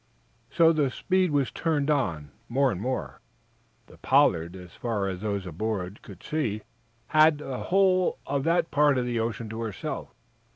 So the speed was turned on, more and more. The "Pollard," as far as those aboard, could see, had the whole of that part of the ocean to herself.